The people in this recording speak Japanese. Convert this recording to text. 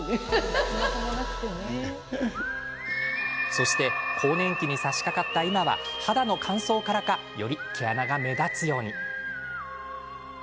そして、更年期に差しかかった今は、肌の乾燥からかより毛穴が目立つように。